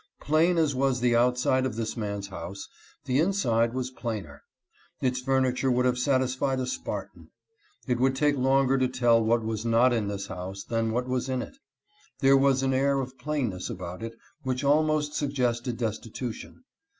Plain as was the outside of this man's house, the inside was plainer. Its furni ture would have satisfied a Spartan. It would take longer to tell what was not in this house than what was in it. There was an air of plainness about it which almost suggested destitution.